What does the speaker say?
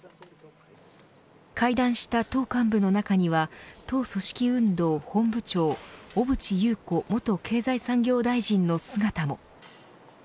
会談した党幹部の中には党組織運動本部長小渕優子元経済産業大臣の姿も。